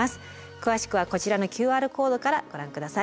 詳しくはこちらのＱＲコードからご覧下さい。